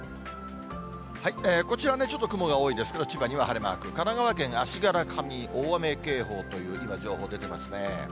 こちら、ちょっと雲が多いですけれども、千葉には晴れマーク、神奈川県足柄上に大雨警報という、今、情報出てますね。